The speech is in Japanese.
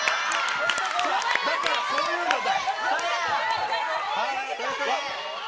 だからそういうのだって。